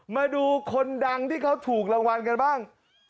มาดูคนดังที่เขาถูกรางวัลกันบ้าง